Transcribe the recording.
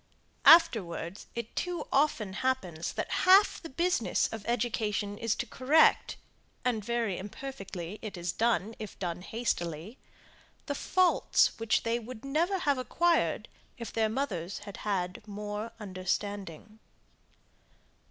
Afterwards it too often happens that half the business of education is to correct, and very imperfectly is it done, if done hastily, the faults, which they would never have acquired if their mothers had had more understanding.